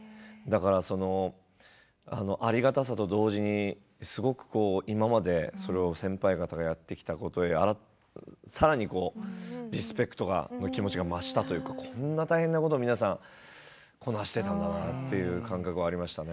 その、ありがたさと同時にすごく今までそれを先輩方がやってきたことやさらにリスペクトの気持ちが増したというかこんな大変なことを皆さんこなしていたんだなという感覚はありましたね。